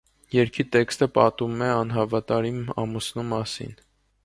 Երգի տեքստը պատմում է անհավատարիմ ամուսնու մասին։